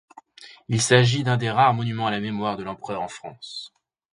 Il s'agit d'un des rares monuments à la mémoire de l'Empereur en France.